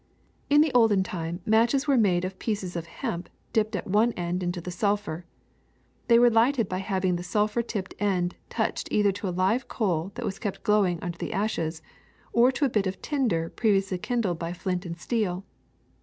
In the olden time matches were made of pieces of hemp dipped at one end into sulphur. They were lighted by having the sulphur tipped end touched either to a live coal that was kept glowing under the ashes, or to a bit of tinder previously kindled by flint and steel.